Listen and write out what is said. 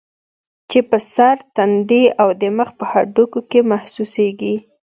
چې پۀ سر ، تندي او د مخ پۀ هډوکو کې محسوسيږي